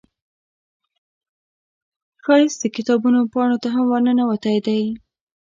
ښایست د کتابونو پاڼو ته هم ورننوتی دی